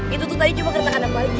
itu tadi cuma kereta kadang kadang aja